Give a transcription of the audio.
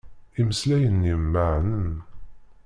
Imeslayen-im meɛnen.